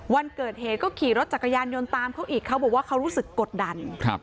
วันเกิดเหตุก็ขี่รถจักรยานยนต์ตามเขาอีกเขาบอกว่าเขารู้สึกกดดัน